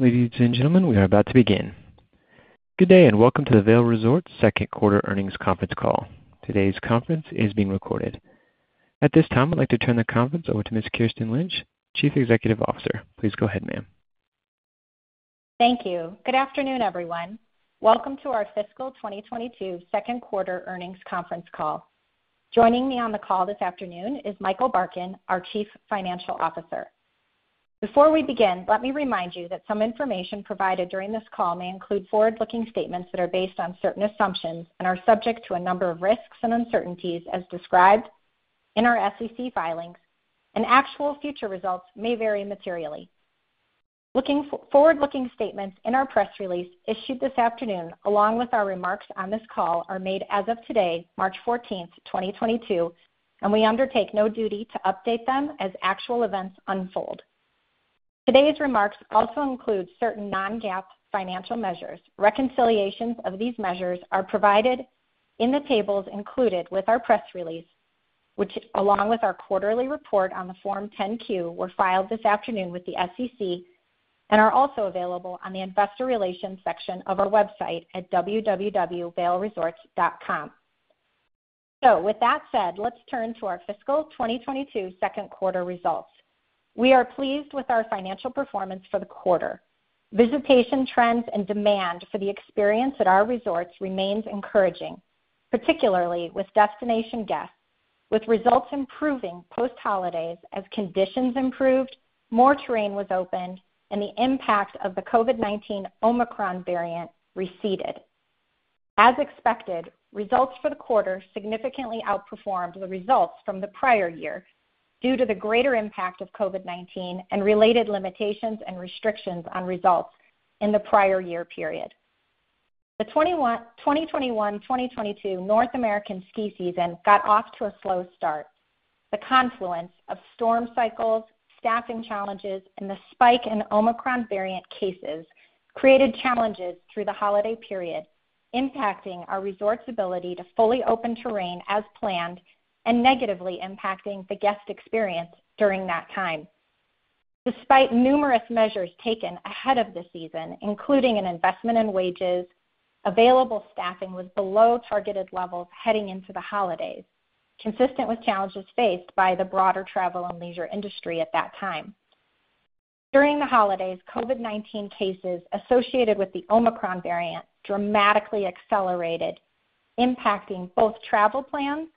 Ladies and gentlemen, we are about to begin. Good day and welcome to the Vail Resorts second quarter earnings conference call. Today's conference is being recorded. At this time, I'd like to turn the conference over to Ms. Kirsten Lynch, Chief Executive Officer. Please go ahead, ma'am. Thank you. Good afternoon, everyone. Welcome to our fiscal 2022 second quarter earnings conference call. Joining me on the call this afternoon is Michael Barkin, our Chief Financial Officer. Before we begin, let me remind you that some information provided during this call may include forward-looking statements that are based on certain assumptions and are subject to a number of risks and uncertainties as described in our SEC filings, and actual future results may vary materially. Forward-looking statements in our press release issued this afternoon, along with our remarks on this call, are made as of today, March 14, 2022, and we undertake no duty to update them as actual events unfold. Today's remarks also include certain non-GAAP financial measures. Reconciliations of these measures are provided in the tables included with our press release, which, along with our quarterly report on the Form 10-Q, were filed this afternoon with the SEC and are also available on the Investor Relations section of our website at www.vailresorts.com. With that said, let's turn to our fiscal 2022 second quarter results. We are pleased with our financial performance for the quarter. Visitation trends and demand for the experience at our resorts remains encouraging, particularly with destination guests, with results improving post holidays as conditions improved, more terrain was opened, and the impact of the COVID-19 Omicron variant receded. As expected, results for the quarter significantly outperformed the results from the prior year due to the greater impact of COVID-19 and related limitations and restrictions on results in the prior year period. The 2021/2022 North American ski season got off to a slow start. The confluence of storm cycles, staffing challenges, and the spike in Omicron variant cases created challenges through the holiday period, impacting our resorts' ability to fully open terrain as planned and negatively impacting the guest experience during that time. Despite numerous measures taken ahead of the season, including an investment in wages, available staffing was below targeted levels heading into the holidays, consistent with challenges faced by the broader travel and leisure industry at that time. During the holidays, COVID-19 cases associated with the Omicron variant dramatically accelerated, impacting both travel plans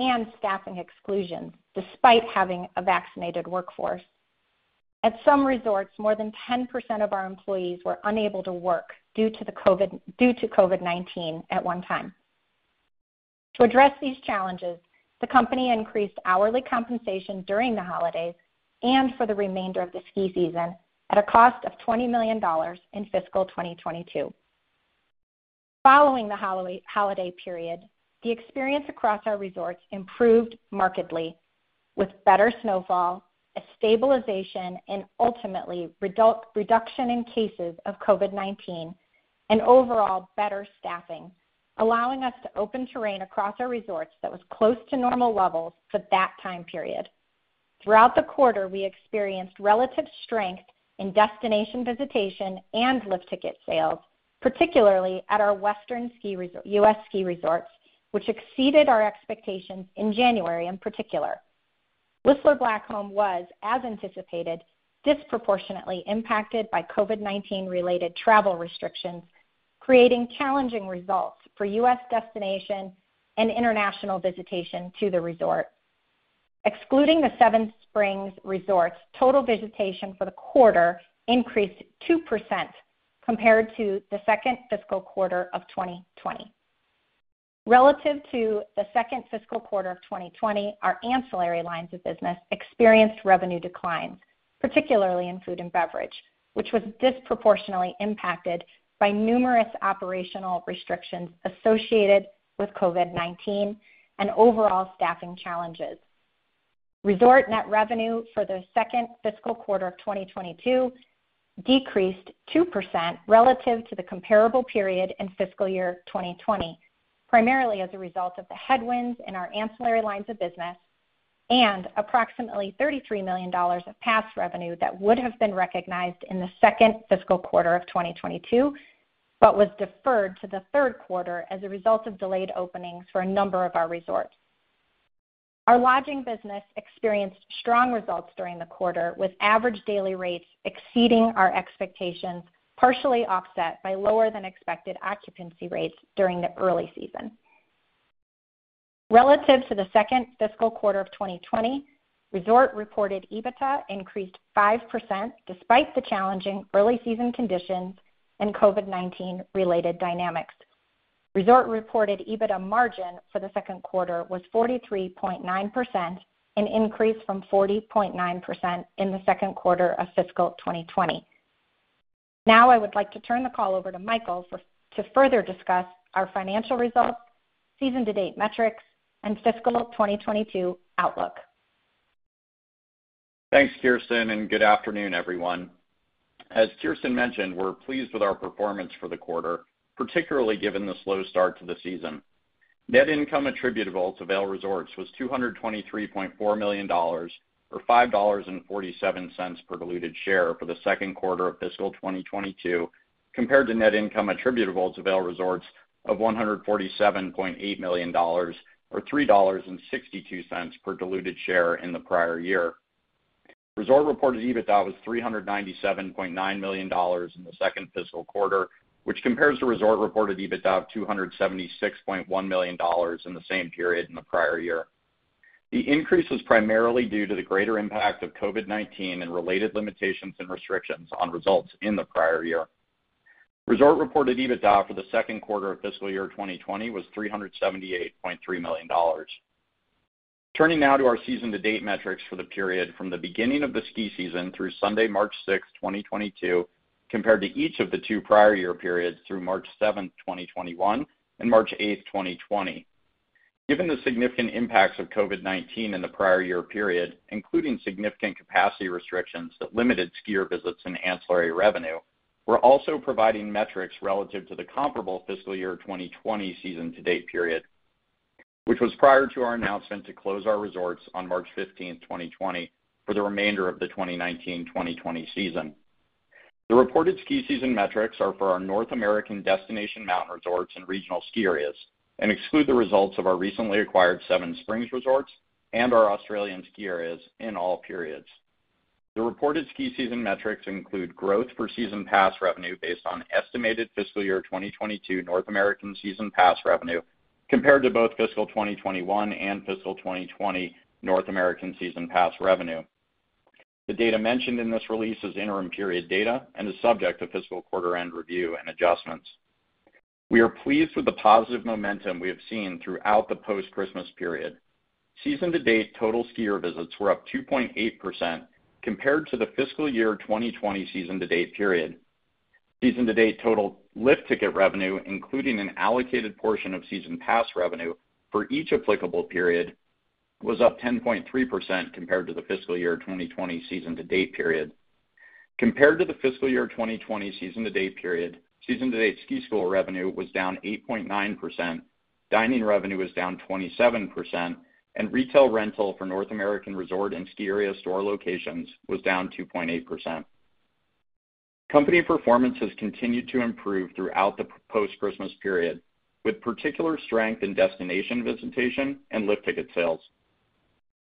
and staffing exclusions despite having a vaccinated workforce. At some resorts, more than 10% of our employees were unable to work due to COVID-19 at one time. To address these challenges, the company increased hourly compensation during the holidays and for the remainder of the ski season at a cost of $20 million in fiscal 2022. Following the holiday period, the experience across our resorts improved markedly with better snowfall, a stabilization and ultimately reduction in cases of COVID-19 and overall better staffing, allowing us to open terrain across our resorts that was close to normal levels for that time period. Throughout the quarter, we experienced relative strength in destination visitation and lift ticket sales, particularly at our western U.S. ski resorts, which exceeded our expectations in January in particular. Whistler Blackcomb was, as anticipated, disproportionately impacted by COVID-19 related travel restrictions, creating challenging results for U.S. destination and international visitation to the resort. Excluding the Seven Springs Resorts, total visitation for the quarter increased 2% compared to the second fiscal quarter of 2020. Relative to the second fiscal quarter of 2020, our ancillary lines of business experienced revenue declines, particularly in food and beverage, which was disproportionately impacted by numerous operational restrictions associated with COVID-19 and overall staffing challenges. Resort net revenue for the second fiscal quarter of 2022 decreased 2% relative to the comparable period in fiscal year 2020, primarily as a result of the headwinds in our ancillary lines of business and approximately $33 million of pass revenue that would have been recognized in the second fiscal quarter of 2022, but was deferred to the third quarter as a result of delayed openings for a number of our resorts. Our lodging business experienced strong results during the quarter, with average daily rates exceeding our expectations, partially offset by lower than expected occupancy rates during the early season. Relative to the second fiscal quarter of 2020, resort reported EBITDA increased 5% despite the challenging early season conditions and COVID-19 related dynamics. Resort reported EBITDA margin for the second quarter was 43.9%, an increase from 40.9% in the second quarter of fiscal 2020. Now I would like to turn the call over to Michael to further discuss our financial results, season to date metrics and fiscal 2022 outlook. Thanks, Kirsten, and good afternoon, everyone. As Kirsten mentioned, we're pleased with our performance for the quarter, particularly given the slow start to the season. Net income attributable to Vail Resorts was $223.4 million or $5.47 per diluted share for the second quarter of fiscal 2022, compared to net income attributable to Vail Resorts of $147.8 million or $3.62 per diluted share in the prior year. Resort reported EBITDA was $397.9 million in the second fiscal quarter, which compares to resort reported EBITDA of $276.1 million in the same period in the prior year. The increase was primarily due to the greater impact of COVID-19 and related limitations and restrictions on results in the prior year. Resorts reported EBITDA for the second quarter of fiscal year 2020 was $378.3 million. Turning now to our season-to-date metrics for the period from the beginning of the ski season through Sunday, March 6, 2022, compared to each of the two prior year periods through March 7, 2021, and March 8, 2020. Given the significant impacts of COVID-19 in the prior year period, including significant capacity restrictions that limited skier visits and ancillary revenue, we're also providing metrics relative to the comparable fiscal year 2020 season-to-date period, which was prior to our announcement to close our resorts on March 15, 2020, for the remainder of the 2019-2020 season. The reported ski season metrics are for our North American destination mountain resorts and regional ski areas and exclude the results of our recently acquired Seven Springs Resorts and our Australian ski areas in all periods. The reported ski season metrics include growth for season pass revenue based on estimated fiscal year 2022 North American season pass revenue compared to both fiscal 2021 and fiscal 2020 North American season pass revenue. The data mentioned in this release is interim period data and is subject to fiscal quarter end review and adjustments. We are pleased with the positive momentum we have seen throughout the post-Christmas period. Season to date, total skier visits were up 2.8% compared to the fiscal year 2020 season to date period. Season to date total lift ticket revenue, including an allocated portion of season pass revenue for each applicable period, was up 10.3% compared to the fiscal year 2020 season to date period. Compared to the fiscal year 2020 season to date period, season to date ski school revenue was down 8.9%, dining revenue was down 27%, and retail rental for North American resort and ski area store locations was down 2.8%. Company performance has continued to improve throughout the post-Christmas period, with particular strength in destination visitation and lift ticket sales.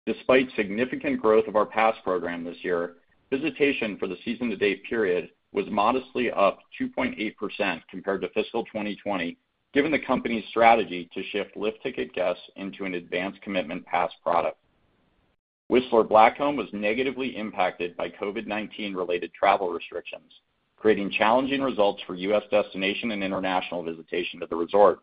Despite significant growth of our pass program this year, visitation for the season to date period was modestly up 2.8% compared to fiscal 2020, given the company's strategy to shift lift ticket guests into an advance commitment pass product. Whistler Blackcomb was negatively impacted by COVID-19 related travel restrictions, creating challenging results for U.S. destination and international visitation to the resort.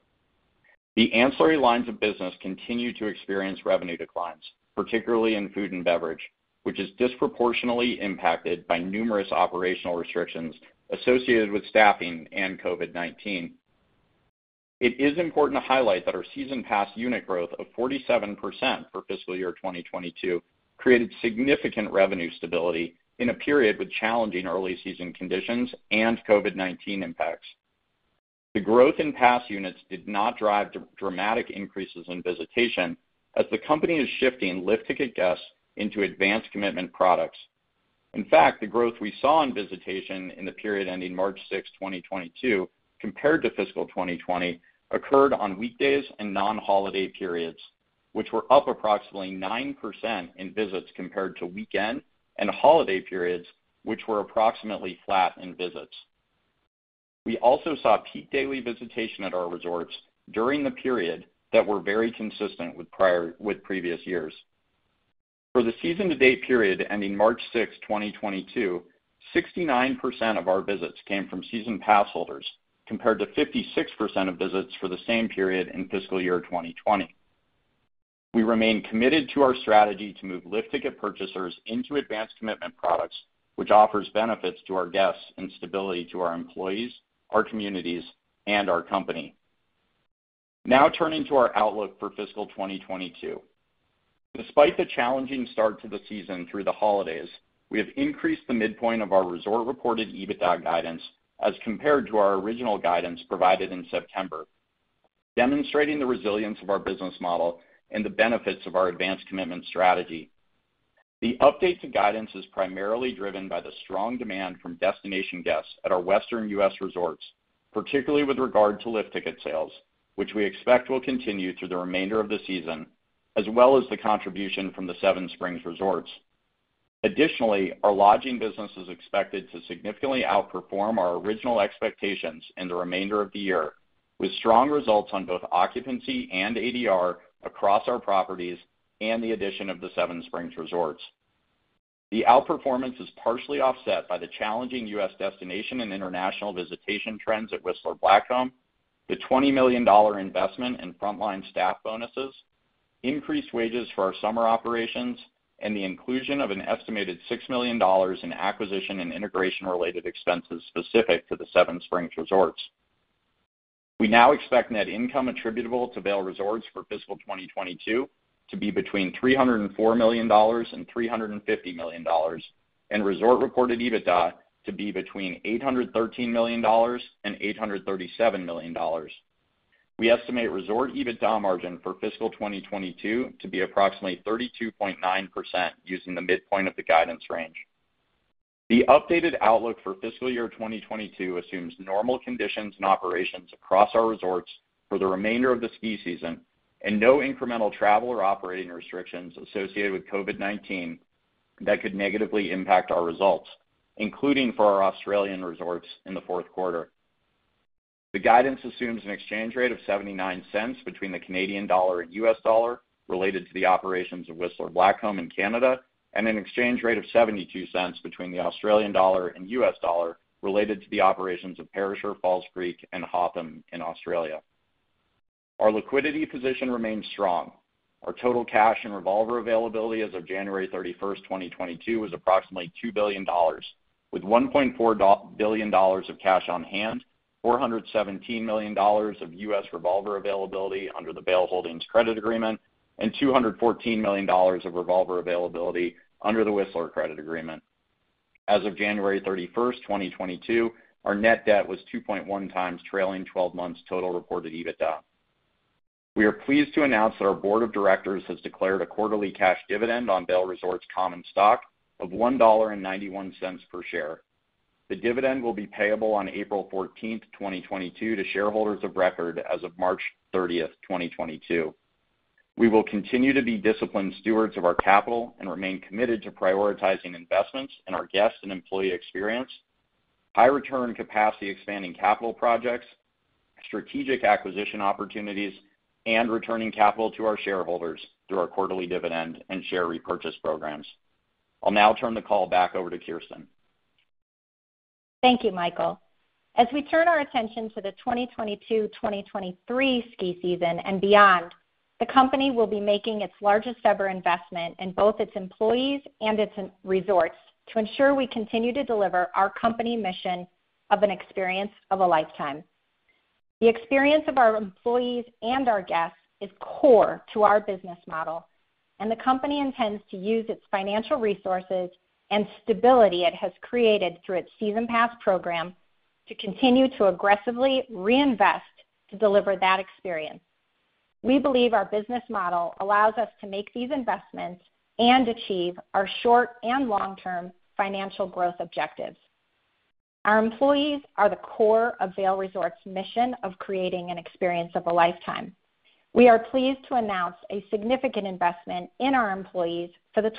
The ancillary lines of business continue to experience revenue declines, particularly in food and beverage, which is disproportionately impacted by numerous operational restrictions associated with staffing and COVID-19. It is important to highlight that our season pass unit growth of 47% for fiscal year 2022 created significant revenue stability in a period with challenging early season conditions and COVID-19 impacts. The growth in pass units did not drive dramatic increases in visitation as the company is shifting lift ticket guests into advance commitment products. In fact, the growth we saw in visitation in the period ending March 6, 2022 compared to fiscal 2020 occurred on weekdays and non-holiday periods, which were up approximately 9% in visits compared to weekend and holiday periods, which were approximately flat in visits. We also saw peak daily visitation at our resorts during the period that were very consistent with previous years. For the season-to-date period ending March 6, 2022, 69% of our visits came from season pass holders, compared to 56% of visits for the same period in fiscal year 2020. We remain committed to our strategy to move lift ticket purchasers into advance commitment products, which offers benefits to our guests and stability to our employees, our communities, and our company. Now turning to our outlook for fiscal 2022. Despite the challenging start to the season through the holidays, we have increased the midpoint of our resort-reported EBITDA guidance as compared to our original guidance provided in September, demonstrating the resilience of our business model and the benefits of our advance commitment strategy. The update to guidance is primarily driven by the strong demand from destination guests at our Western U.S. resorts, particularly with regard to lift ticket sales, which we expect will continue through the remainder of the season, as well as the contribution from the Seven Springs Resorts. Additionally, our lodging business is expected to significantly outperform our original expectations in the remainder of the year, with strong results on both occupancy and ADR across our properties and the addition of the Seven Springs Resorts. The outperformance is partially offset by the challenging U.S. destination and international visitation trends at Whistler Blackcomb, the $20 million investment in frontline staff bonuses, increased wages for our summer operations, and the inclusion of an estimated $6 million in acquisition and integration-related expenses specific to the Seven Springs Resorts. We now expect net income attributable to Vail Resorts for fiscal 2022 to be between $304 million and $350 million, and resort-reported EBITDA to be between $813 million and $837 million. We estimate resort EBITDA margin for fiscal 2022 to be approximately 32.9% using the midpoint of the guidance range. The updated outlook for fiscal year 2022 assumes normal conditions and operations across our resorts for the remainder of the ski season and no incremental travel or operating restrictions associated with COVID-19 that could negatively impact our results, including for our Australian resorts in the fourth quarter. The guidance assumes an exchange rate of 0.79 between the Canadian dollar and U.S. dollar related to the operations of Whistler Blackcomb in Canada, and an exchange rate of 0.72 between the Australian dollar and U.S. dollar related to the operations of Perisher, Falls Creek, and Hotham in Australia. Our liquidity position remains strong. Our total cash and revolver availability as of January 31, 2022 was approximately $2 billion, with $1.4 billion of cash on hand, $417 million of U.S. revolver availability under the Vail Holdings credit agreement, and $214 million of revolver availability under the Whistler credit agreement. As of January 31, 2022, our net debt was 2.1 times trailing twelve months total reported EBITDA. We are pleased to announce that our board of directors has declared a quarterly cash dividend on Vail Resorts common stock of $1.91 per share. The dividend will be payable on April 14, 2022 to shareholders of record as of March 30, 2022. We will continue to be disciplined stewards of our capital and remain committed to prioritizing investments in our guest and employee experience, high return capacity expanding capital projects, strategic acquisition opportunities, and returning capital to our shareholders through our quarterly dividend and share repurchase programs. I'll now turn the call back over to Kirsten. Thank you, Michael. As we turn our attention to the 2022/2023 ski season and beyond, the company will be making its largest ever investment in both its employees and its resorts to ensure we continue to deliver our company mission of an experience of a lifetime. The experience of our employees and our guests is core to our business model, and the company intends to use its financial resources and stability it has created through its season pass program to continue to aggressively reinvest to deliver that experience. We believe our business model allows us to make these investments and achieve our short and long-term financial growth objectives. Our employees are the core of Vail Resorts' mission of creating an experience of a lifetime. We are pleased to announce a significant investment in our employees for the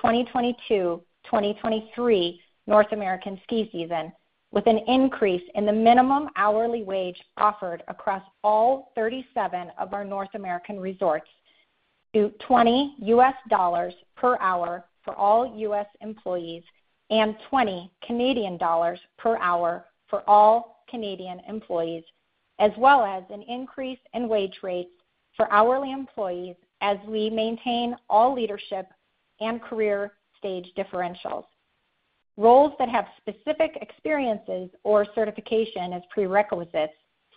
2022/2023 North American ski season, with an increase in the minimum hourly wage offered across all 37 of our North American resorts to $20 per hour for all U.S. employees and 20 Canadian dollars per hour for all Canadian employees, as well as an increase in wage rates for hourly employees as we maintain all leadership and career stage differentials. Roles that have specific experiences or certification as prerequisites,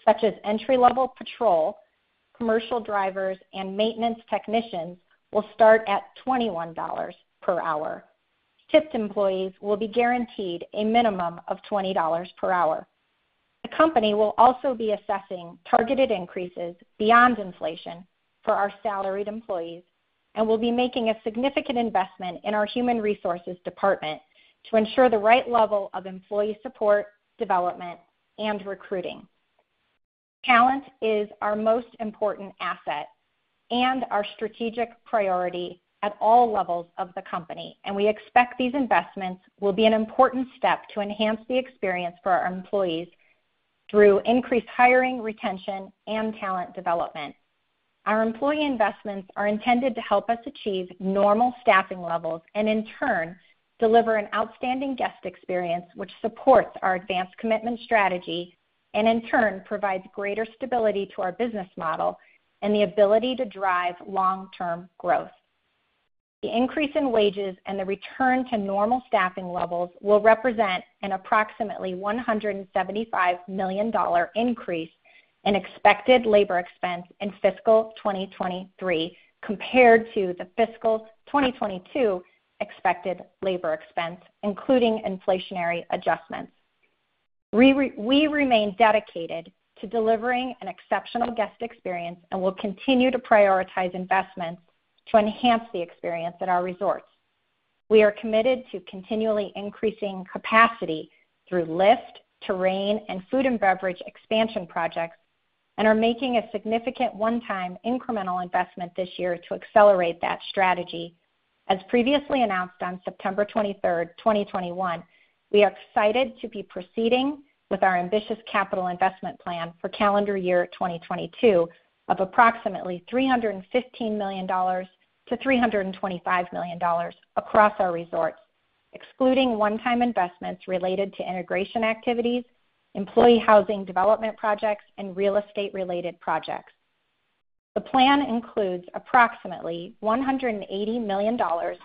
such as entry-level patrol, commercial drivers, and maintenance technicians will start at $21 per hour. Tipped employees will be guaranteed a minimum of $20 per hour. The company will also be assessing targeted increases beyond inflation for our salaried employees and will be making a significant investment in our human resources department to ensure the right level of employee support, development, and recruiting. Talent is our most important asset and our strategic priority at all levels of the company, and we expect these investments will be an important step to enhance the experience for our employees through increased hiring, retention, and talent development. Our employee investments are intended to help us achieve normal staffing levels and in turn deliver an outstanding guest experience which supports our advance commitment strategy and in turn provides greater stability to our business model and the ability to drive long-term growth. The increase in wages and the return to normal staffing levels will represent an approximately $175 million increase in expected labor expense in fiscal 2023 compared to the fiscal 2022 expected labor expense, including inflationary adjustments. We remain dedicated to delivering an exceptional guest experience and will continue to prioritize investments to enhance the experience at our resorts. We are committed to continually increasing capacity through lift, terrain, and food and beverage expansion projects, and are making a significant one-time incremental investment this year to accelerate that strategy. As previously announced on September 23, 2021, we are excited to be proceeding with our ambitious capital investment plan for calendar year 2022 of approximately $315 million-$325 million across our resorts, excluding one-time investments related to integration activities, employee housing development projects, and real estate related projects. The plan includes approximately $180 million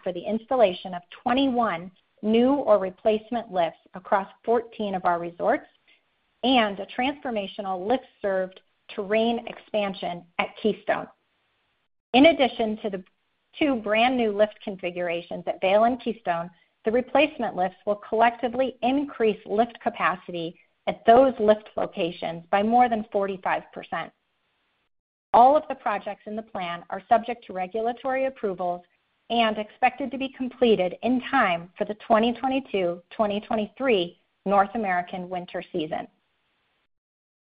for the installation of 21 new or replacement lifts across 14 of our resorts and a transformational lift-served terrain expansion at Keystone. In addition to the two brand-new lift configurations at Vail and Keystone, the replacement lifts will collectively increase lift capacity at those lift locations by more than 45%. All of the projects in the plan are subject to regulatory approvals and expected to be completed in time for the 2022/2023 North American winter season.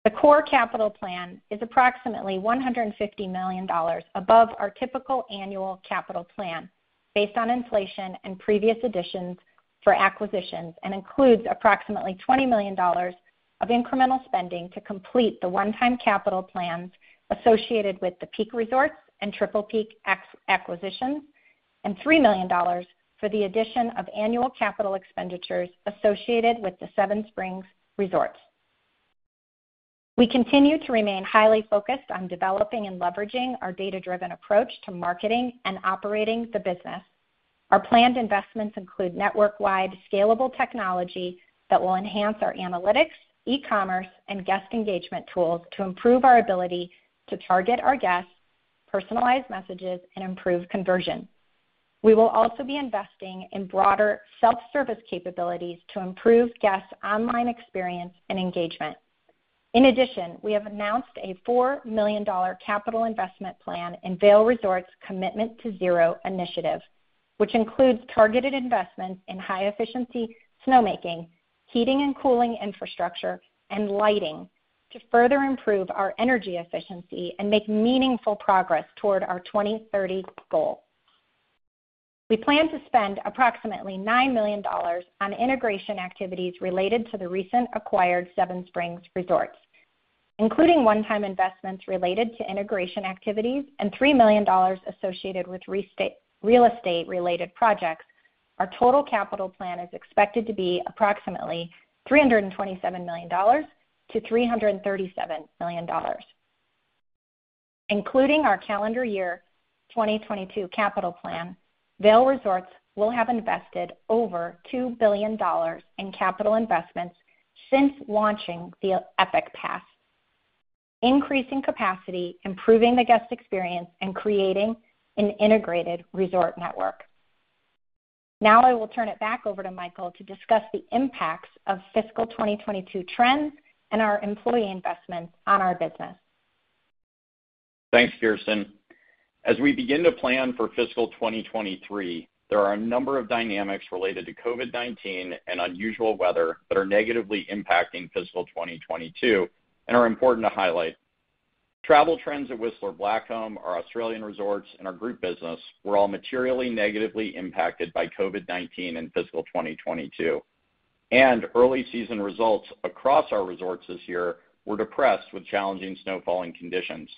The core capital plan is approximately $150 million above our typical annual capital plan based on inflation and previous additions for acquisitions and includes approximately $20 million of incremental spending to complete the one-time capital plans associated with the Peak Resorts and Triple Peaks acquisitions, and $3 million for the addition of annual capital expenditures associated with the Seven Springs Mountain Resort. We continue to remain highly focused on developing and leveraging our data-driven approach to marketing and operating the business. Our planned investments include network-wide scalable technology that will enhance our analytics, e-commerce, and guest engagement tools to improve our ability to target our guests, personalize messages, and improve conversion. We will also be investing in broader self-service capabilities to improve guests' online experience and engagement. In addition, we have announced a $4 million capital investment plan in Vail Resorts' Commitment to Zero initiative, which includes targeted investments in high-efficiency snowmaking, heating and cooling infrastructure, and lighting to further improve our energy efficiency and make meaningful progress toward our 2030 goal. We plan to spend approximately $9 million on integration activities related to the recently acquired Seven Springs Resorts, including one-time investments related to integration activities and $3 million associated with real estate related projects. Our total capital plan is expected to be approximately $327 million-$337 million. Including our calendar year 2022 capital plan, Vail Resorts will have invested over $2 billion in capital investments since launching the Epic Pass, increasing capacity, improving the guest experience, and creating an integrated resort network. Now I will turn it back over to Michael to discuss the impacts of fiscal 2022 trends and our employee investments on our business. Thanks, Kirsten. As we begin to plan for fiscal 2023, there are a number of dynamics related to COVID-19 and unusual weather that are negatively impacting fiscal 2022 and are important to highlight. Travel trends at Whistler Blackcomb, our Australian resorts, and our group business were all materially negatively impacted by COVID-19 in fiscal 2022, and early season results across our resorts this year were depressed with challenging snowfall conditions.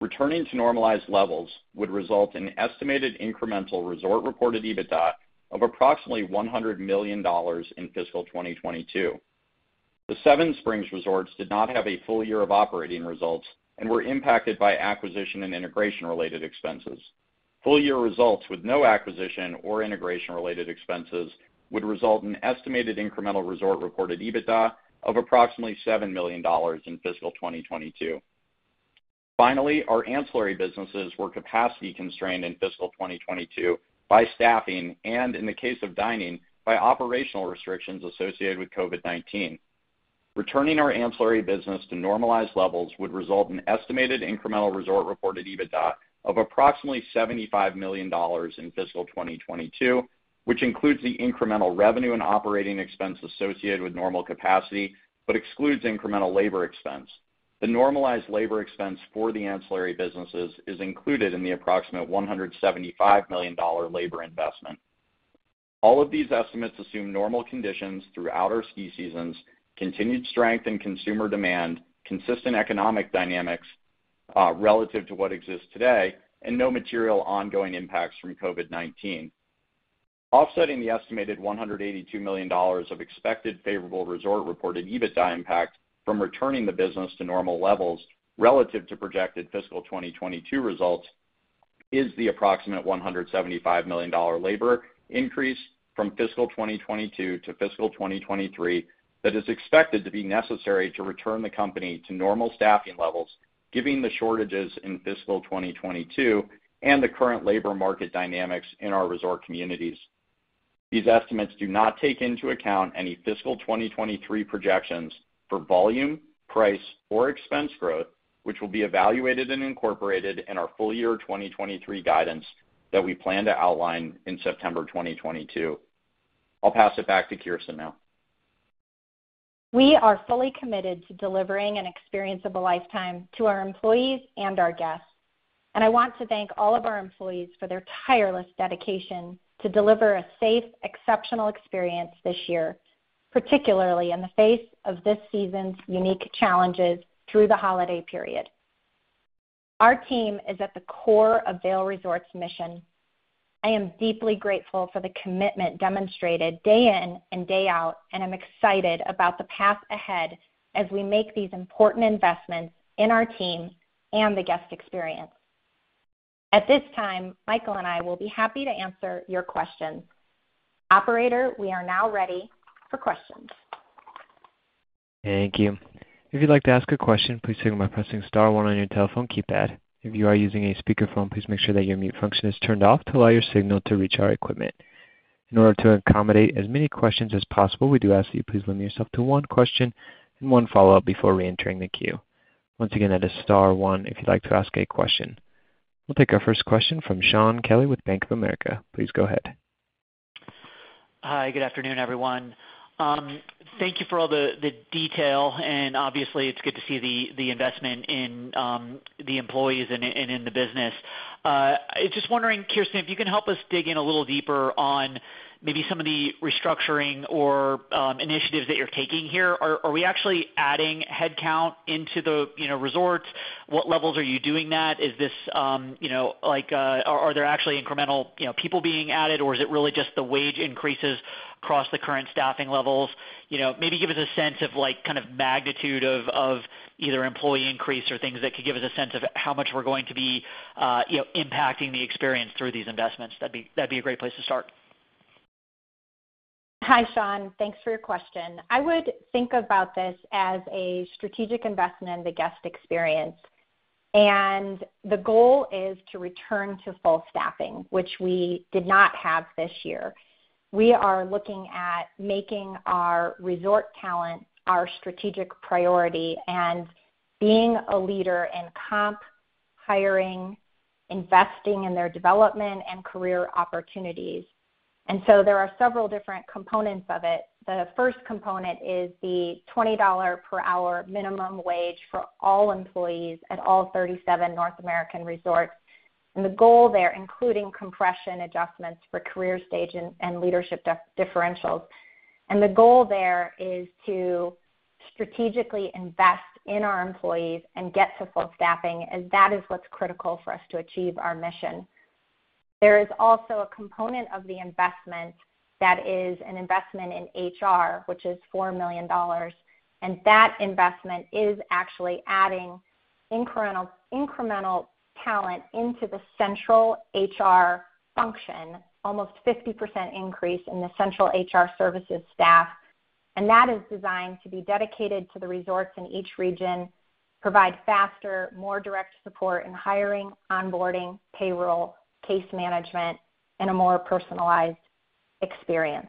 Returning to normalized levels would result in estimated incremental resort reported EBITDA of approximately $100 million in fiscal 2022. The Seven Springs Resorts did not have a full year of operating results and were impacted by acquisition and integration related expenses. Full year results with no acquisition or integration related expenses would result in estimated incremental resort reported EBITDA of approximately $7 million in fiscal 2022. Finally, our ancillary businesses were capacity constrained in fiscal 2022 by staffing and in the case of dining, by operational restrictions associated with COVID-19. Returning our ancillary business to normalized levels would result in estimated incremental resort reported EBITDA of approximately $75 million in fiscal 2022, which includes the incremental revenue and operating expense associated with normal capacity, but excludes incremental labor expense. The normalized labor expense for the ancillary businesses is included in the approximate $175 million labor investment. All of these estimates assume normal conditions throughout our ski seasons, continued strength in consumer demand, consistent economic dynamics, relative to what exists today, and no material ongoing impacts from COVID-19. Offsetting the estimated $182 million of expected favorable resort-reported EBITDA impact from returning the business to normal levels relative to projected fiscal 2022 results is the approximate $175 million labor increase from fiscal 2022 to fiscal 2023 that is expected to be necessary to return the company to normal staffing levels, given the shortages in fiscal 2022 and the current labor market dynamics in our resort communities. These estimates do not take into account any fiscal 2023 projections for volume, price, or expense growth, which will be evaluated and incorporated in our full year 2023 guidance that we plan to outline in September 2022. I'll pass it back to Kirsten now. We are fully committed to delivering an experience of a lifetime to our employees and our guests, and I want to thank all of our employees for their tireless dedication to deliver a safe, exceptional experience this year, particularly in the face of this season's unique challenges through the holiday period. Our team is at the core of Vail Resorts' mission. I am deeply grateful for the commitment demonstrated day in and day out, and I'm excited about the path ahead as we make these important investments in our team and the guest experience. At this time, Michael and I will be happy to answer your questions. Operator, we are now ready for questions. Thank you. If you'd like to ask a question, please signal by pressing star one on your telephone keypad. If you are using a speakerphone, please make sure that your mute function is turned off to allow your signal to reach our equipment. In order to accommodate as many questions as possible, we do ask that you please limit yourself to one question and one follow-up before reentering the queue. Once again, that is star one if you'd like to ask a question. We'll take our first question from Shaun Kelley with Bank of America. Please go ahead. Hi. Good afternoon, everyone. Thank you for all the detail, and obviously, it's good to see the investment in the employees and in the business. I was just wondering, Kirsten, if you can help us dig in a little deeper on maybe some of the restructuring or initiatives that you're taking here. Are we actually adding headcount into the resorts? What levels are you doing that? Is this, you know, like, Are there actually incremental people being added, or is it really just the wage increases across the current staffing levels? You know, maybe give us a sense of, like, kind of magnitude of either employee increase or things that could give us a sense of how much we're going to be impacting the experience through these investments. That'd be a great place to start. Hi, Shaun. Thanks for your question. I would think about this as a strategic investment in the guest experience, and the goal is to return to full staffing, which we did not have this year. We are looking at making our resort talent our strategic priority and being a leader in comp, hiring, investing in their development and career opportunities. There are several different components of it. The first component is the $20 per hour minimum wage for all employees at all 37 North American resorts. The goal there, including compression adjustments for career stage and leadership differentials. The goal there is to strategically invest in our employees and get to full staffing, and that is what's critical for us to achieve our mission. There is also a component of the investment that is an investment in HR, which is $4 million, and that investment is actually adding incremental talent into the central HR function, almost 50% increase in the central HR services staff. That is designed to be dedicated to the resorts in each region, provide faster, more direct support in hiring, onboarding, payroll, case management, and a more personalized experience.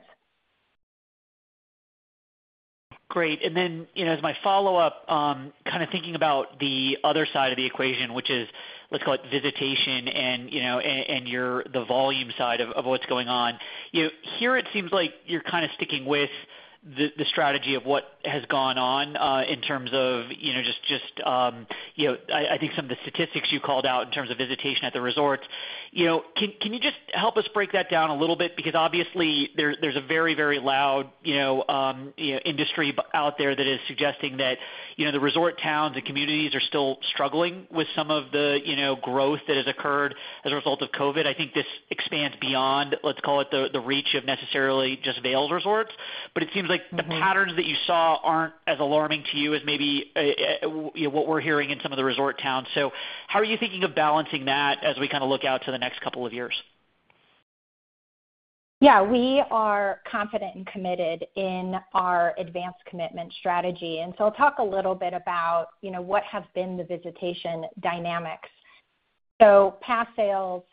Great. You know, as my follow-up, kinda thinking about the other side of the equation, which is, let's call it visitation and, you know, the volume side of what's going on. You know, here it seems like you're kinda sticking with the strategy of what has gone on in terms of, you know, just, you know, I think some of the statistics you called out in terms of visitation at the resorts. You know, can you just help us break that down a little bit? Because obviously there's a very, very loud, you know, you know, industry out there that is suggesting that, you know, the resort towns and communities are still struggling with some of the, you know, growth that has occurred as a result of COVID. I think this expands beyond, let's call it, the reach of necessarily just Vail's resorts. It seems like. The patterns that you saw aren't as alarming to you as maybe you know what we're hearing in some of the resort towns. How are you thinking of balancing that as we kinda look out to the next couple of years? Yeah, we are confident and committed in our advance commitment strategy. I'll talk a little bit about, you know, what have been the visitation dynamics. Pass sales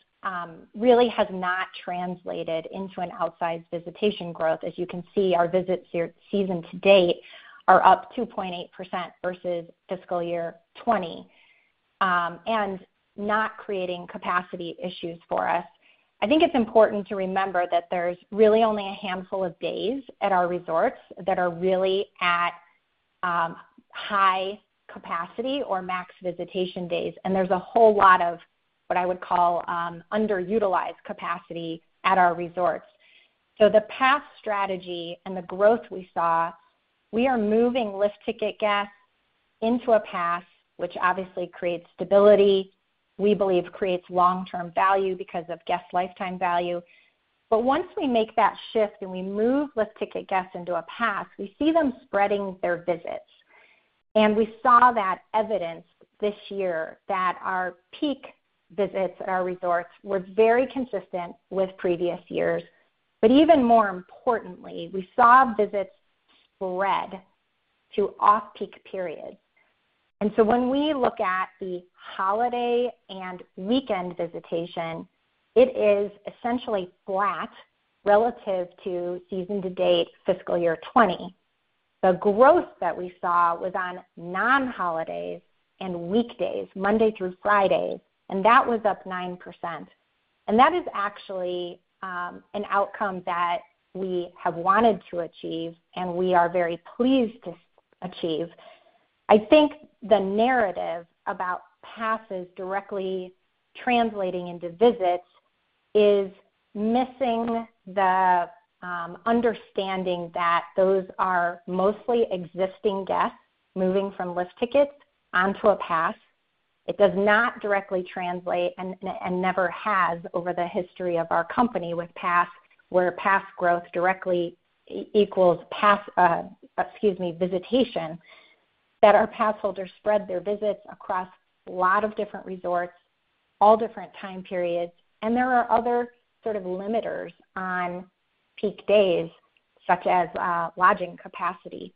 really has not translated into an outsized visitation growth. As you can see, our visits here season to date are up 2.8% versus fiscal year 2020 and not creating capacity issues for us. I think it's important to remember that there's really only a handful of days at our resorts that are really at high capacity or max visitation days. There's a whole lot of what I would call underutilized capacity at our resorts. The pass strategy and the growth we saw, we are moving lift ticket guests into a pass, which obviously creates stability, we believe creates long-term value because of guest lifetime value. Once we make that shift and we move lift ticket guests into a pass, we see them spreading their visits. We saw that evidence this year that our peak visits at our resorts were very consistent with previous years. Even more importantly, we saw visits spread to off-peak periods. When we look at the holiday and weekend visitation, it is essentially flat relative to season to date fiscal year 2020. The growth that we saw was on non-holidays and weekdays, Monday through Fridays, and that was up 9%. That is actually an outcome that we have wanted to achieve and we are very pleased to achieve. I think the narrative about passes directly translating into visits is missing the understanding that those are mostly existing guests moving from lift tickets onto a pass. It does not directly translate and never has over the history of our company with pass, where pass growth directly equals visitation, that our pass holders spread their visits across a lot of different resorts, all different time periods. There are other sort of limiters on peak days, such as, lodging capacity.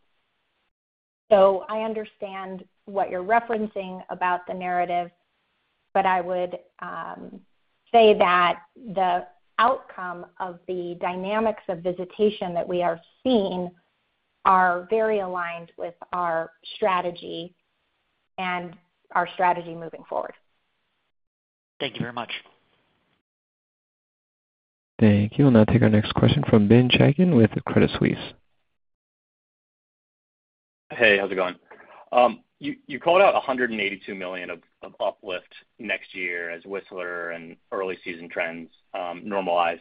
I understand what you're referencing about the narrative, but I would say that the outcome of the dynamics of visitation that we are seeing are very aligned with our strategy and our strategy moving forward. Thank you very much. Thank you. We'll now take our next question from Ben Chaiken with Credit Suisse. Hey, how's it going? You called out $182 million of uplift next year as Whistler and early season trends normalize.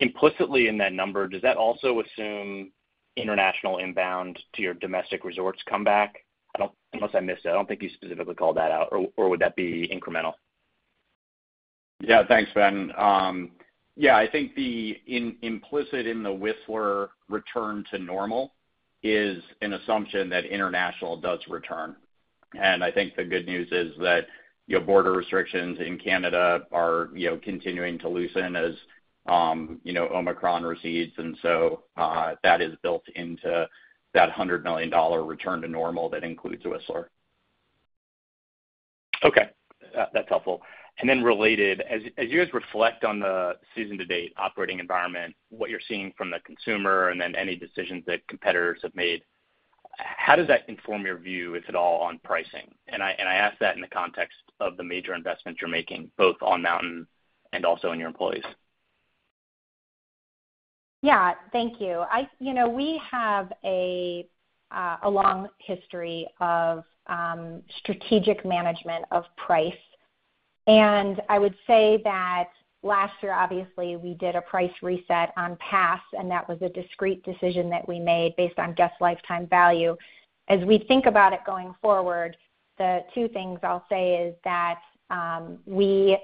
Implicitly in that number, does that also assume international inbound to your domestic resorts come back? Unless I missed it, I don't think you specifically called that out, or would that be incremental? Yeah. Thanks, Ben. I think the implicit in the Whistler return to normal is an assumption that international does return. I think the good news is that, you know, border restrictions in Canada are, you know, continuing to loosen as, you know, Omicron recedes. That is built into that $100 million return to normal that includes Whistler. Okay. That's helpful. Related, as you guys reflect on the season to date operating environment, what you're seeing from the consumer and then any decisions that competitors have made, how does that inform your view, if at all, on pricing? I ask that in the context of the major investments you're making both on mountain and also in your employees. Yeah. Thank you. You know, we have a long history of strategic management of price. I would say that last year, obviously, we did a price reset on pass, and that was a discrete decision that we made based on guest lifetime value. As we think about it going forward, the two things I'll say is that we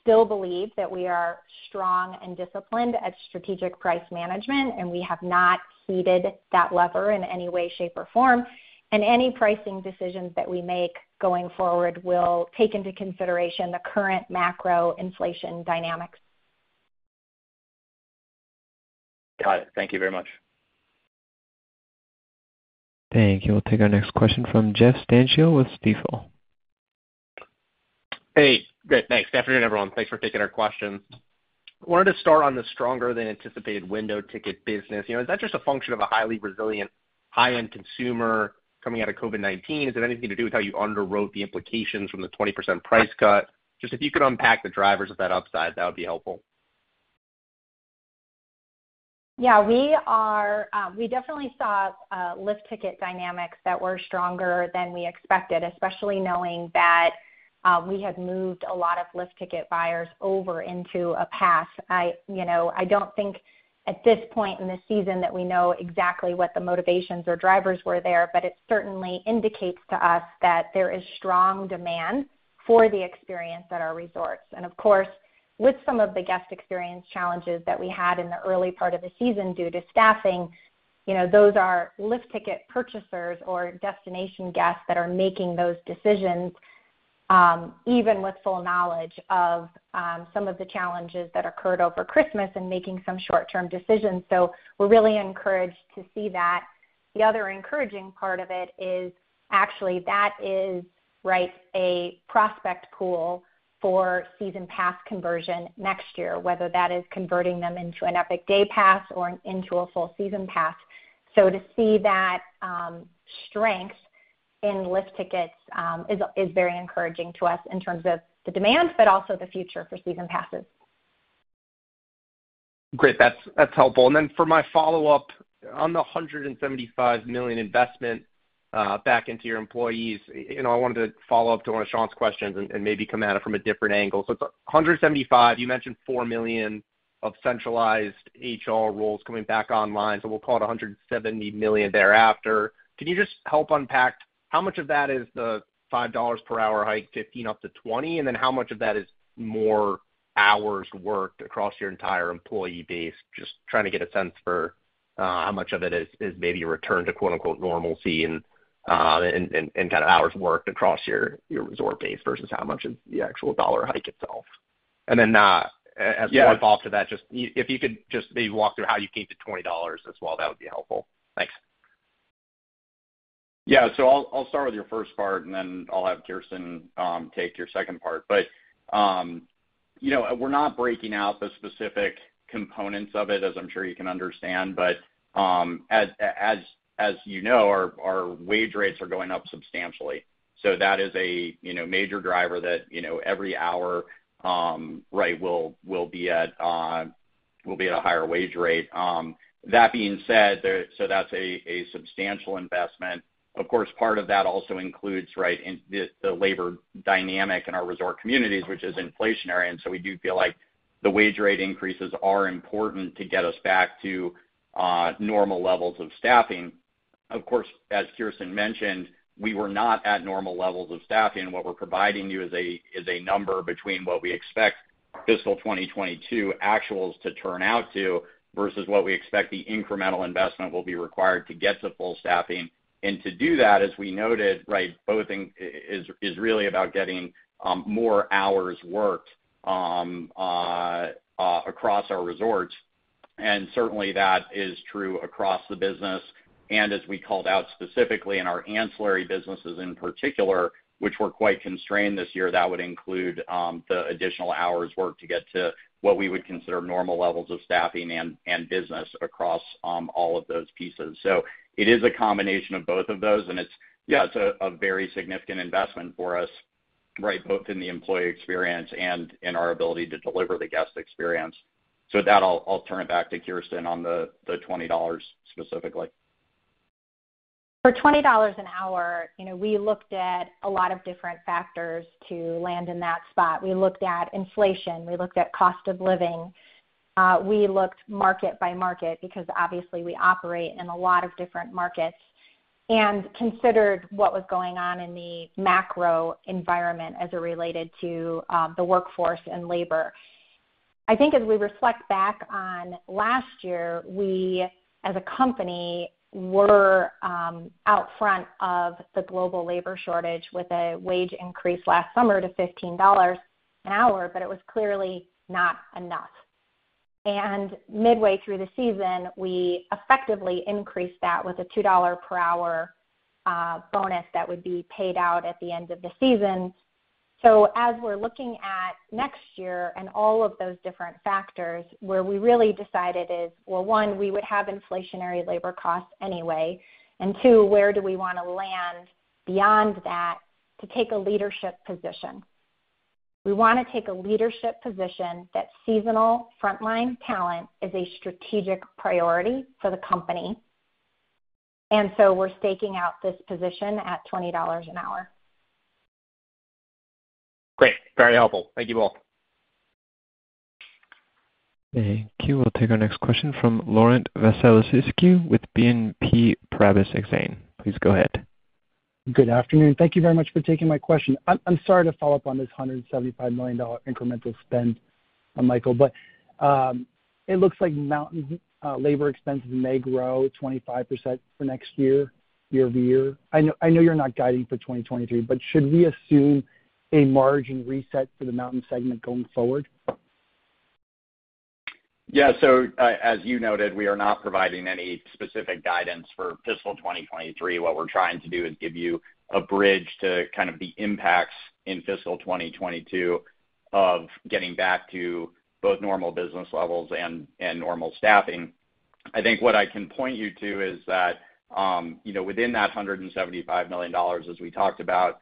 still believe that we are strong and disciplined at strategic price management, and we have not heeded that lever in any way, shape, or form. Any pricing decisions that we make going forward will take into consideration the current macro inflation dynamics. Got it. Thank you very much. Thank you. We'll take our next question from Jeff Stantial with Stifel. Hey. Good. Thanks. Afternoon, everyone. Thanks for taking our questions. I wanted to start on the stronger than anticipated window ticket business. You know, is that just a function of a highly resilient high-end consumer coming out of COVID-19? Is it anything to do with how you underwrote the implications from the 20% price cut? Just if you could unpack the drivers of that upside, that would be helpful. Yeah, we definitely saw lift ticket dynamics that were stronger than we expected, especially knowing that we had moved a lot of lift ticket buyers over into a pass. I you know, I don't think at this point in the season that we know exactly what the motivations or drivers were there, but it certainly indicates to us that there is strong demand for the experience at our resorts. Of course, with some of the guest experience challenges that we had in the early part of the season due to staffing, you know, those are lift ticket purchasers or destination guests that are making those decisions, even with full knowledge of some of the challenges that occurred over Christmas and making some short-term decisions. We're really encouraged to see that. The other encouraging part of it is actually that is, right, a prospect pool for season pass conversion next year, whether that is converting them into an Epic Day Pass or into a full season pass. To see that, strength in lift tickets, is very encouraging to us in terms of the demand, but also the future for season passes. Great. That's helpful. For my follow-up, on the $175 million investment back into your employees, you know, I wanted to follow up to one of Shaun's questions and maybe come at it from a different angle. It's a $175 million. You mentioned $4 million of centralized HR roles coming back online, so we'll call it a $170 million thereafter. Can you just help unpack how much of that is the $5 per hour hike, $15-$20? And then how much of that is more hours worked across your entire employee base? Just trying to get a sense for how much of it is maybe a return to quote-unquote normalcy and kind of hours worked across your resort base versus how much is the actual dollar hike itself. And then, As one follow to that, just if you could just maybe walk through how you came to $20 as well, that would be helpful. Thanks. Yeah. I'll start with your first part, and then I'll have Kirsten take your second part. You know, we're not breaking out the specific components of it, as I'm sure you can understand. As you know, our wage rates are going up substantially. That is a major driver that every hour right, will be at a higher wage rate. That being said, that's a substantial investment. Of course, part of that also includes, right, in the labor dynamic in our resort communities, which is inflationary. We do feel like the wage rate increases are important to get us back to normal levels of staffing. Of course, as Kirsten mentioned, we were not at normal levels of staffing. What we're providing you is a number between what we expect fiscal 2022 actuals to turn out to versus what we expect the incremental investment will be required to get to full staffing. To do that, as we noted, right, really about getting more hours worked across our resorts. Certainly, that is true across the business. As we called out specifically in our ancillary businesses in particular, which were quite constrained this year, that would include the additional hours worked to get to what we would consider normal levels of staffing and business across all of those pieces. It is a combination of both of those, and it's a very significant investment for us, right, both in the employee experience and in our ability to deliver the guest experience. With that, I'll turn it back to Kirsten on the $20 specifically. For $20 an hour, you know, we looked at a lot of different factors to land in that spot. We looked at inflation, we looked at cost of living, we looked market by market because obviously we operate in a lot of different markets, and considered what was going on in the macro environment as it related to the workforce and labor. I think as we reflect back on last year, we as a company were out front of the global labor shortage with a wage increase last summer to $15 an hour, but it was clearly not enough. Midway through the season, we effectively increased that with a $2 per hour bonus that would be paid out at the end of the season. As we're looking at next year and all of those different factors, where we really decided is, well, one, we would have inflationary labor costs anyway, and two, where do we wanna land beyond that to take a leadership position? We wanna take a leadership position that seasonal frontline talent is a strategic priority for the company. We're staking out this position at $20 an hour. Great. Very helpful. Thank you both. Thank you. We'll take our next question from Laurent Vasilescu with BNP Paribas Exane. Please go ahead. Good afternoon. Thank you very much for taking my question. I'm sorry to follow up on this $175 million incremental spend, Michael, but it looks like Mountain labor expenses may grow 25% for next year-over-year. I know you're not guiding for 2023, but should we assume a margin reset for the Mountain segment going forward? Yeah, as you noted, we are not providing any specific guidance for fiscal 2023. What we're trying to do is give you a bridge to kind of the impacts in fiscal 2022 of getting back to both normal business levels and normal staffing. I think what I can point you to is that, you know, within that $175 million, as we talked about,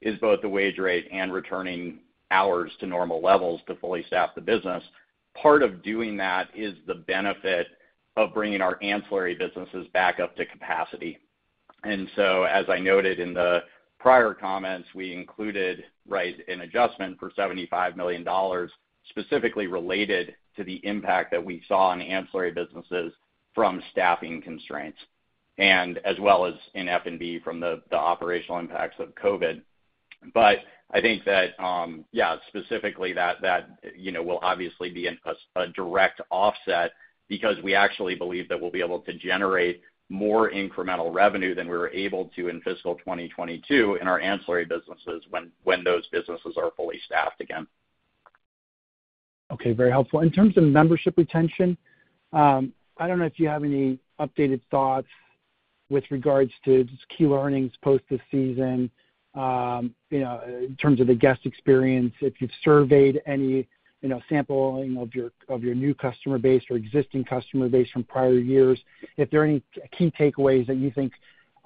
is both the wage rate and returning hours to normal levels to fully staff the business. Part of doing that is the benefit of bringing our ancillary businesses back up to capacity. As I noted in the prior comments, we included, right, an adjustment for $75 million specifically related to the impact that we saw in ancillary businesses from staffing constraints, and as well as in F&B from the operational impacts of COVID. I think that specifically that you know will obviously be in a direct offset because we actually believe that we'll be able to generate more incremental revenue than we were able to in fiscal 2022 in our ancillary businesses when those businesses are fully staffed again. Okay, very helpful. In terms of membership retention, I don't know if you have any updated thoughts with regards to just key learnings post this season, you know, in terms of the guest experience, if you've surveyed any, you know, sampling of your new customer base or existing customer base from prior years. If there are any key takeaways that you think,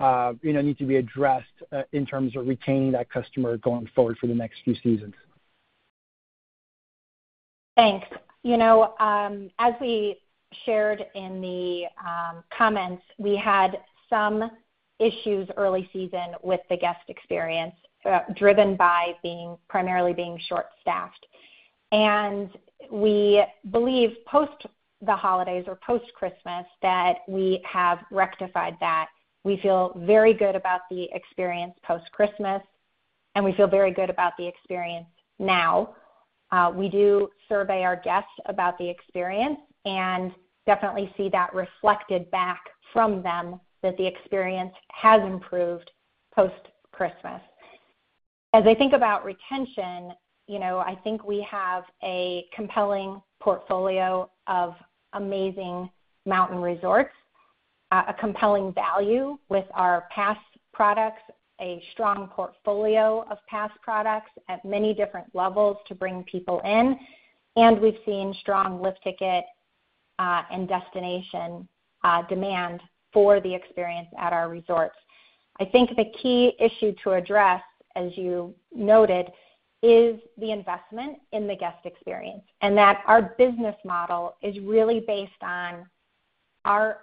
you know, need to be addressed, in terms of retaining that customer going forward for the next few seasons. Thanks. You know, as we shared in the comments, we had some issues early season with the guest experience, driven by primarily being short-staffed. We believe post the holidays or post-Christmas, that we have rectified that. We feel very good about the experience post-Christmas, and we feel very good about the experience now. We do survey our guests about the experience and definitely see that reflected back from them that the experience has improved post-Christmas. As I think about retention, you know, I think we have a compelling portfolio of amazing mountain resorts, a compelling value with our pass products, a strong portfolio of pass products at many different levels to bring people in, and we've seen strong lift ticket and destination demand for the experience at our resorts. I think the key issue to address, as you noted, is the investment in the guest experience, and that our business model is really based on our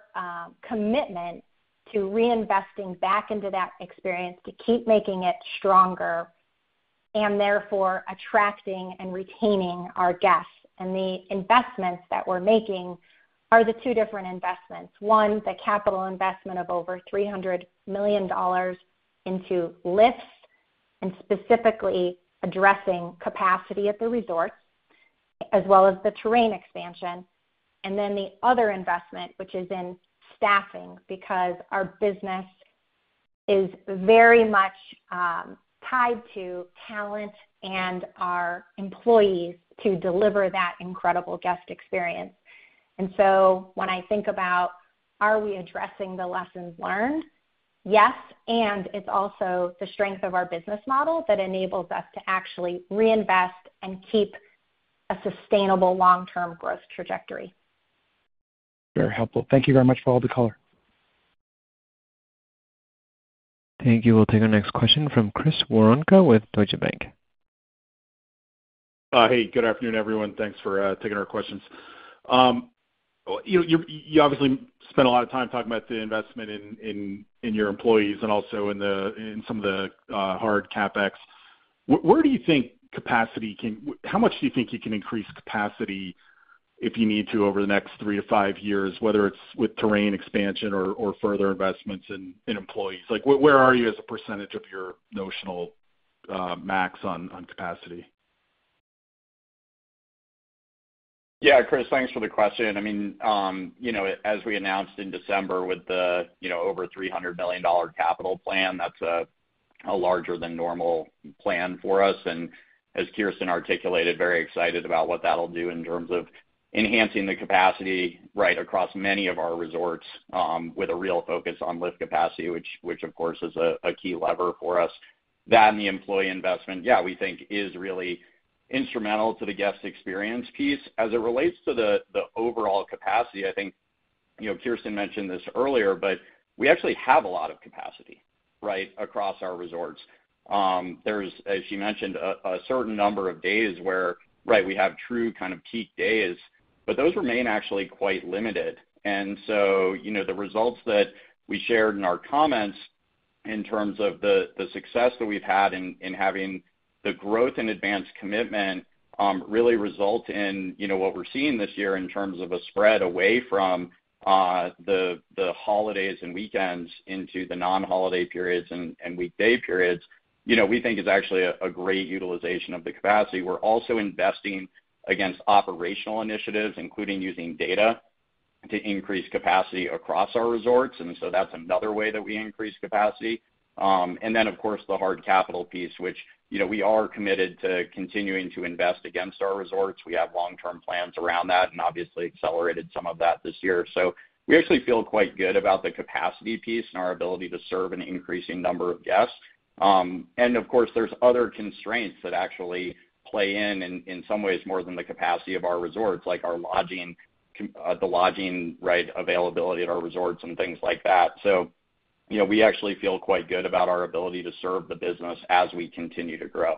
commitment to reinvesting back into that experience to keep making it stronger and therefore attracting and retaining our guests. The investments that we're making are the two different investments. One, the capital investment of over $300 million into lifts and specifically addressing capacity at the resorts, as well as the terrain expansion. The other investment, which is in staffing, because our business is very much tied to talent and our employees to deliver that incredible guest experience. When I think about are we addressing the lessons learned, yes, and it's also the strength of our business model that enables us to actually reinvest and keep a sustainable long-term growth trajectory. Very helpful. Thank you very much for all the color. Thank you. We'll take our next question from Chris Woronka with Deutsche Bank. Hey, good afternoon, everyone. Thanks for taking our questions. You obviously spent a lot of time talking about the investment in your employees and also in some of the hard CapEx. Where do you think capacity can increase? How much do you think you can increase capacity if you need to over the next 3-5 years, whether it's with terrain expansion or further investments in employees? Like, where are you as a percentage of your notional max on capacity? Yeah, Chris, thanks for the question. I mean, you know, as we announced in December with the, you know, over $300 million capital plan, that's a larger than normal plan for us. As Kirsten articulated, very excited about what that'll do in terms of enhancing the capacity right across many of our resorts, with a real focus on lift capacity, which of course is a key lever for us. That and the employee investment, yeah, we think is really instrumental to the guest experience piece. As it relates to the overall capacity, I think, you know, Kirsten mentioned this earlier, but we actually have a lot of capacity, right, across our resorts. There's, as you mentioned, a certain number of days where, right, we have true kind of peak days, but those remain actually quite limited. You know, the results that we shared in our comments in terms of the success that we've had in having the growth in advance commitment really result in you know what we're seeing this year in terms of a spread away from the holidays and weekends into the non-holiday periods and weekday periods. You know, we think is actually a great utilization of the capacity. We're also investing against operational initiatives, including using data to increase capacity across our resorts. That's another way that we increase capacity. And then, of course, the hard capital piece, which you know we are committed to continuing to invest against our resorts. We have long-term plans around that and obviously accelerated some of that this year. We actually feel quite good about the capacity piece and our ability to serve an increasing number of guests. Of course, there's other constraints that actually play in some ways more than the capacity of our resorts, like our lodging availability at our resorts and things like that. You know, we actually feel quite good about our ability to serve the business as we continue to grow.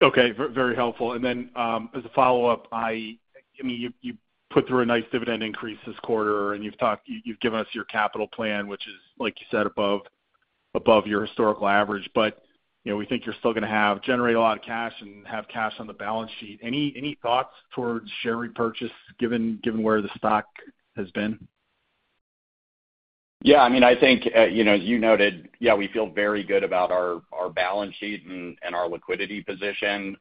Okay, very helpful. As a follow-up, I mean, you put through a nice dividend increase this quarter, and you've given us your capital plan, which is, like you said, above your historical average. You know, we think you're still gonna generate a lot of cash and have cash on the balance sheet. Any thoughts towards share repurchase given where the stock has been? Yeah. I mean, I think, you know, as you noted, yeah, we feel very good about our balance sheet and our liquidity position.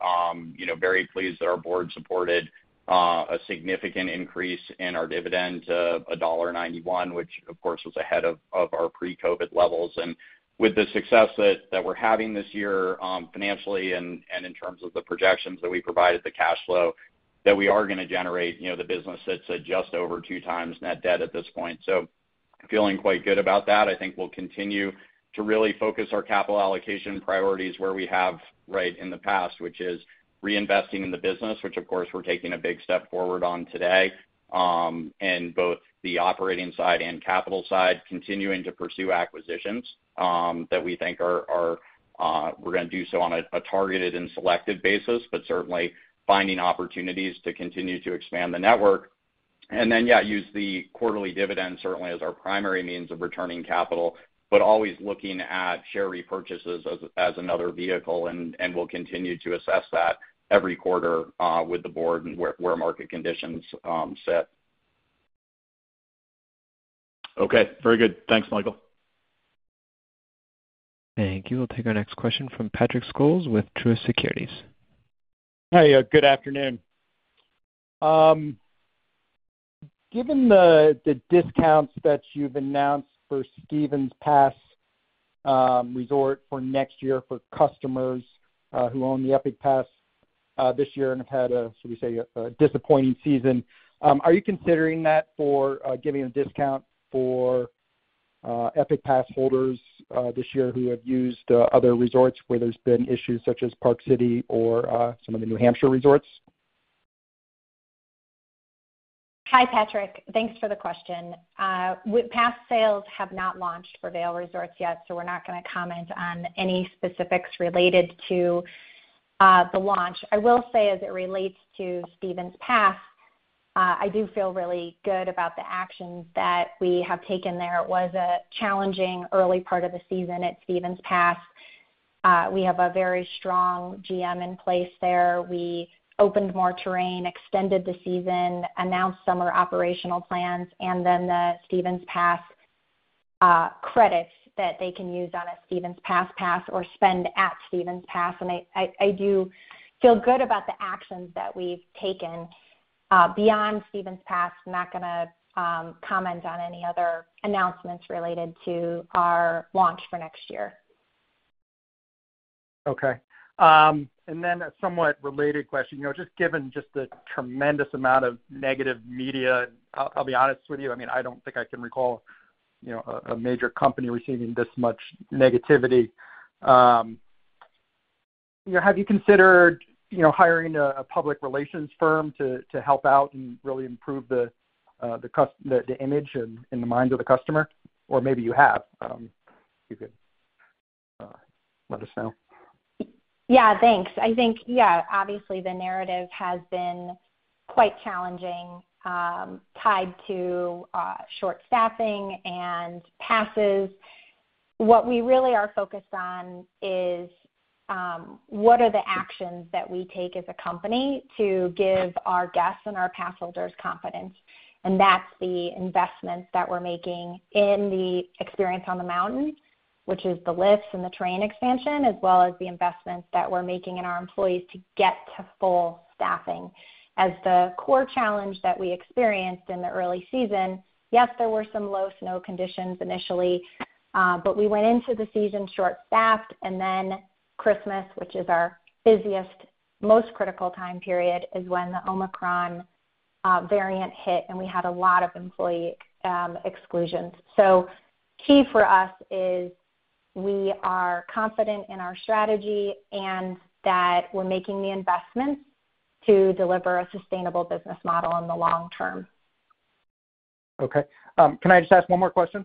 You know, very pleased that our board supported a significant increase in our dividend to $1.91, which of course, was ahead of our pre-COVID levels. With the success that we're having this year, financially and in terms of the projections that we provided, the cash flow that we are gonna generate, you know, the business that's just over 2x net debt at this point. Feeling quite good about that. I think we'll continue to really focus our capital allocation priorities where we have, right? In the past, which is reinvesting in the business, which of course, we're taking a big step forward on today, and both the operating side and capital side, continuing to pursue acquisitions that we think are, we're gonna do so on a targeted and selected basis. Certainly finding opportunities to continue to expand the network. Then use the quarterly dividend certainly as our primary means of returning capital, but always looking at share repurchases as another vehicle, and we'll continue to assess that every quarter with the board and where market conditions set. Okay, very good. Thanks, Michael. Thank you. We'll take our next question from Patrick Scholes with Truist Securities. Hiya. Good afternoon. Given the discounts that you've announced for Stevens Pass Resort for next year for customers who own the Epic Pass this year and have had a, should we say, a disappointing season, are you considering that for giving a discount for Epic Pass holders this year who have used other resorts where there's been issues such as Park City or some of the New Hampshire resorts? Hi, Patrick. Thanks for the question. Pass sales have not launched for Vail Resorts yet, so we're not gonna comment on any specifics related to the launch. I will say as it relates to Stevens Pass, I do feel really good about the actions that we have taken there. It was a challenging early part of the season at Stevens Pass. We have a very strong GM in place there. We opened more terrain, extended the season, announced summer operational plans, and then the Stevens Pass credits that they can use on a Stevens Pass pass or spend at Stevens Pass, and I do feel good about the actions that we've taken. Beyond Stevens Pass, I'm not gonna comment on any other announcements related to our launch for next year. Okay. A somewhat related question. You know, given the tremendous amount of negative media, I'll be honest with you, I mean, I don't think I can recall, you know, a major company receiving this much negativity. You know, have you considered, you know, hiring a public relations firm to help out and really improve the image in the minds of the customer? Or maybe you have. You could let us know. Yeah, thanks. I think, yeah, obviously, the narrative has been quite challenging, tied to short staffing and passes. What we really are focused on is what are the actions that we take as a company to give our guests and our pass holders confidence, and that's the investments that we're making in the experience on the mountain, which is the lifts and the terrain expansion, as well as the investments that we're making in our employees to get to full staffing. As the core challenge that we experienced in the early season, yes, there were some low snow conditions initially, but we went into the season short-staffed, and then Christmas, which is our busiest, most critical time period, is when the Omicron variant hit, and we had a lot of employee exclusions. Key for us is we are confident in our strategy and that we're making the investments to deliver a sustainable business model in the long term. Okay. Can I just ask one more question?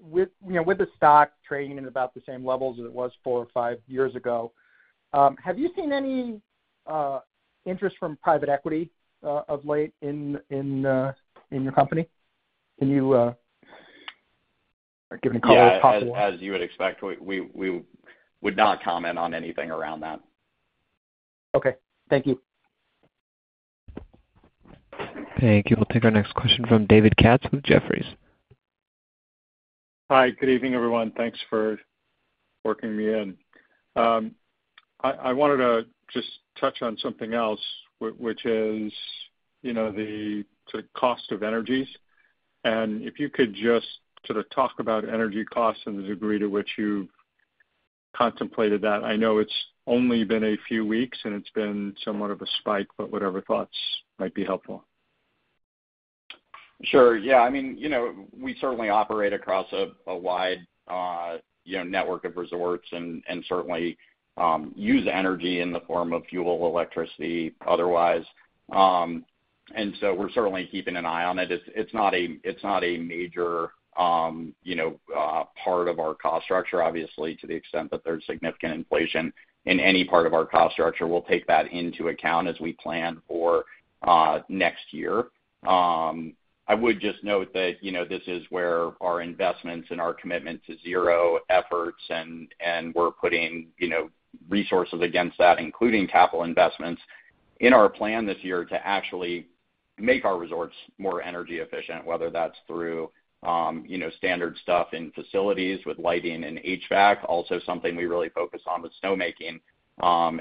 With, you know, with the stock trading at about the same levels as it was four or five years ago, have you seen any interest from private equity of late in your company? Can you give any color possible? Yeah. As you would expect, we would not comment on anything around that. Okay. Thank you. Thank you. We'll take our next question from David Katz with Jefferies. Hi. Good evening, everyone. Thanks for working me in. I wanted to just touch on something else which is, you know, the sort of cost of energies. If you could just sort of talk about energy costs and the degree to which you've contemplated that. I know it's only been a few weeks, and it's been somewhat of a spike, but whatever thoughts might be helpful. Sure. Yeah. I mean, you know, we certainly operate across a wide, you know, network of resorts and certainly use energy in the form of fuel, electricity, otherwise. We're certainly keeping an eye on it. It's not a major, you know, part of our cost structure, obviously, to the extent that there's significant inflation in any part of our cost structure. We'll take that into account as we plan for next year. I would just note that, you know, this is where our investments and our Commitment to Zero efforts and we're putting, you know, resources against that, including capital investments in our plan this year to actually make our resorts more energy efficient, whether that's through, you know, standard stuff in facilities with lighting and HVAC, also something we really focus on with snowmaking,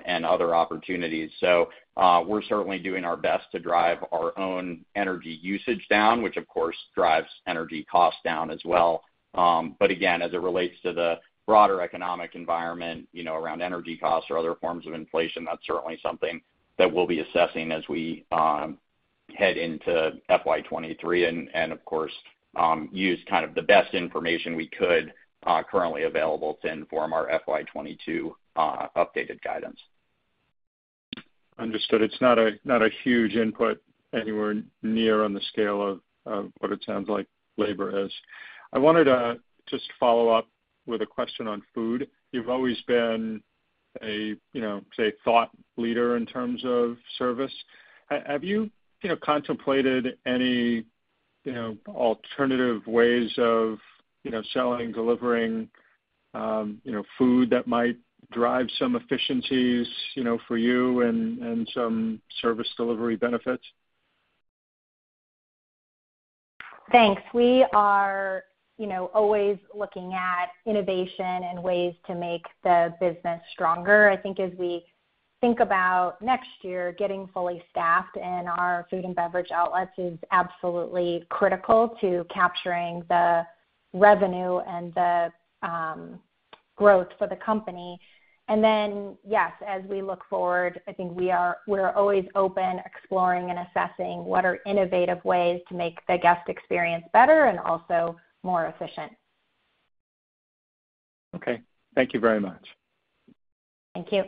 and other opportunities. We're certainly doing our best to drive our own energy usage down, which of course drives energy costs down as well. Again, as it relates to the broader economic environment, you know, around energy costs or other forms of inflation, that's certainly something that we'll be assessing as we head into FY 2023 and of course use kind of the best information we could currently available to inform our FY 2022 updated guidance. Understood. It's not a huge input anywhere near on the scale of what it sounds like labor is. I wanted to just follow up with a question on food. You've always been a, you know, say, thought leader in terms of service. Have you know, contemplated any, you know, alternative ways of, you know, selling, delivering, you know, food that might drive some efficiencies, you know, for you and some service delivery benefits? Thanks. We are, you know, always looking at innovation and ways to make the business stronger. I think as we think about next year, getting fully staffed in our food and beverage outlets is absolutely critical to capturing the revenue and the growth for the company. Yes, as we look forward, I think we're always open, exploring, and assessing what are innovative ways to make the guest experience better and also more efficient. Okay. Thank you very much. Thank you.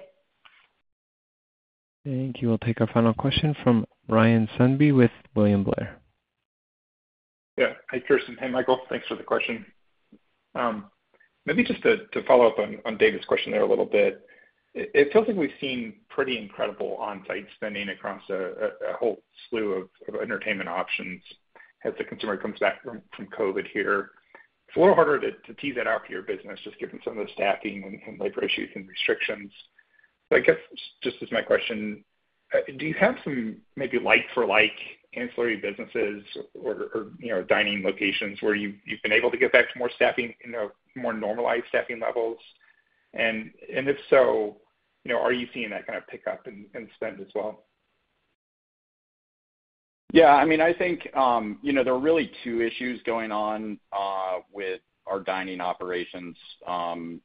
Thank you. We'll take our final question from Ryan Sundby with William Blair. Yeah. Hi, Kirsten. Hey, Michael. Thanks for the question. Maybe just to follow up on David's question there a little bit. It feels like we've seen pretty incredible on-site spending across a whole slew of entertainment options as the consumer comes back from COVID here. It's a little harder to tease that out for your business, just given some of the staffing and labor issues and restrictions. So I guess just as my question, do you have some maybe like for like ancillary businesses or, you know, dining locations where you've been able to get back to more staffing, you know, more normalized staffing levels? If so, you know, are you seeing that kind of pick up in spend as well? Yeah. I mean, I think, you know, there were really two issues going on with our dining operations,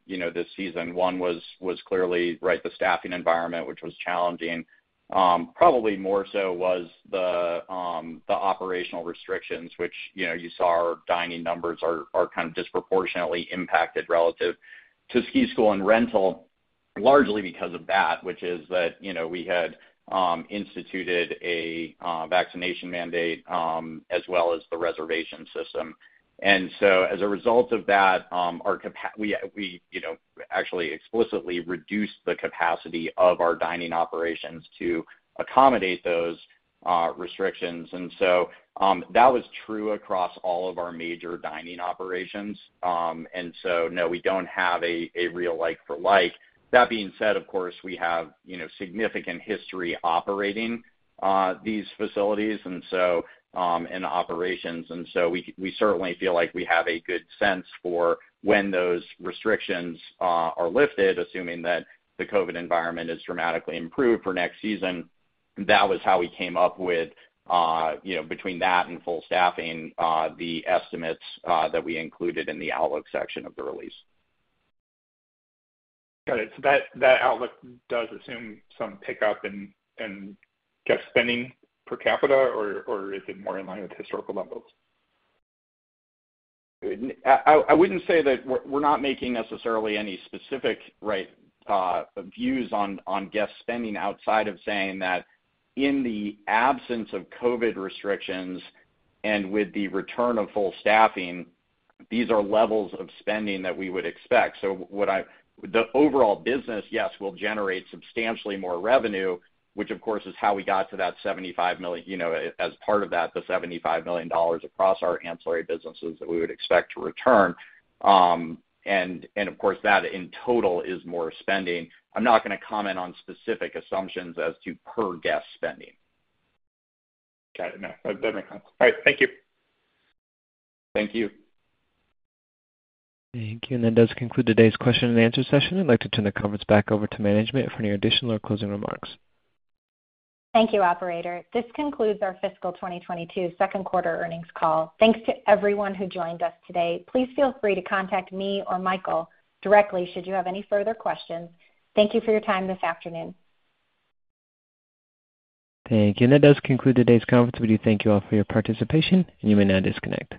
you know, this season. One was clearly, right, the staffing environment, which was challenging. Probably more so was the operational restrictions, which, you know, you saw our dining numbers are kind of disproportionately impacted relative to ski school and rental largely because of that, which is that, you know, we had instituted a vaccination mandate as well as the reservation system. As a result of that, we actually explicitly reduced the capacity of our dining operations to accommodate those restrictions. That was true across all of our major dining operations. No, we don't have a real like for like. That being said, of course, we have, you know, significant history operating these facilities and so and operations. We certainly feel like we have a good sense for when those restrictions are lifted, assuming that the COVID environment is dramatically improved for next season. That was how we came up with, you know, between that and full staffing, the estimates that we included in the outlook section of the release. Got it. That outlook does assume some pickup in guest spending per capita, or is it more in line with historical levels? I wouldn't say that we're not making necessarily any specific, right, views on guest spending outside of saying that in the absence of COVID restrictions and with the return of full staffing, these are levels of spending that we would expect. The overall business, yes, will generate substantially more revenue, which of course is how we got to that $75 million, you know, as part of that, the $75 million across our ancillary businesses that we would expect to return. And of course, that in total is more spending. I'm not gonna comment on specific assumptions as to per guest spending. Got it. No, that makes sense. All right. Thank you. Thank you. Thank you. That does conclude today's question and answer session. I'd like to turn the conference back over to management for any additional or closing remarks. Thank you, operator. This concludes our fiscal 2022 second quarter earnings call. Thanks to everyone who joined us today. Please feel free to contact me or Michael directly should you have any further questions. Thank you for your time this afternoon. Thank you. That does conclude today's conference. We do thank you all for your participation, and you may now disconnect.